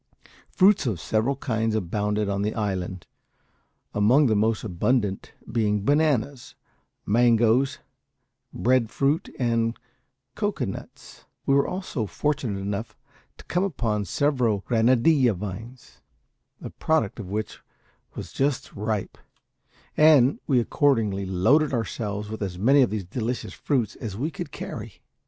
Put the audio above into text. Fruits of several kinds abounded on the island, among the most abundant being bananas, mangoes, breadfruit, and cocoa nuts. We were also fortunate enough to come upon several granadilla vines, the product of which was just ripe, and we accordingly loaded ourselves with as many of these delicious fruits as we could carry.